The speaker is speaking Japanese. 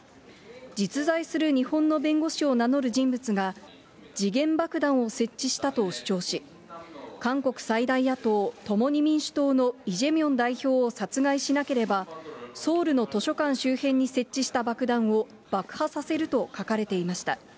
実在する日本の弁護士を名乗る人物が、時限爆弾を設置したと主張し、韓国最大野党・共に民主党のイ・ジェミョン代表を殺害しなければ、ソウルの図書館周辺に設置した爆弾を爆破させると書かれていました。